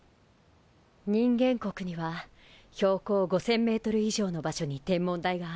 人間国には標高５，０００ｍ以上の場所に天文台があるわ。